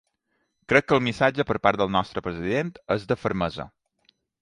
Crec que el missatge per part del nostre president és de fermesa.